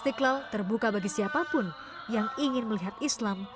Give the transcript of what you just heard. istiqlal terbuka bagi siapapun yang ingin melihat islam